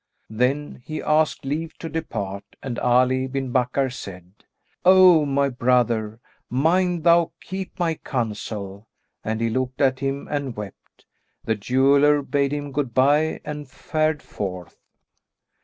Then he asked leave to depart and Ali bin Bakkar said, "O my brother, mind thou keep my counsel;" and he looked at him and wept. The jeweller bade him good bye and fared forth.